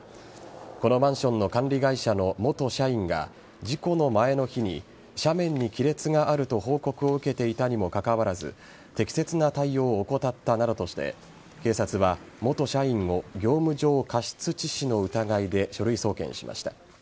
このマンションの管理会社の元社員が事故の前の日に斜面に亀裂があると報告を受けていたにもかかわらず適切な対応を怠ったなどとして警察は、元社員を業務上過失致死の疑いで書類送検しました。